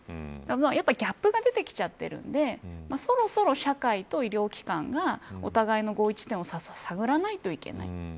やっぱり、ギャップが出てきちゃってるんでそろそろ社会と医療機関がお互いの合意地点を探らないといけない。